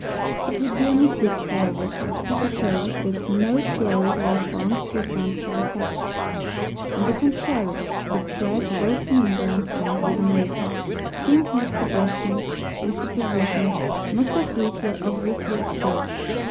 It would be a mistake, however, to suppose that no theories were formed to account for the facts. On the contrary, the Press, both in England and in America, teemed with suggestions and suppositions, most of which were obviously absurd.